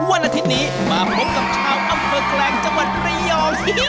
วันอาทิตย์นี้มาพบกับชาวอำเภอแกลงจังหวัดระยอง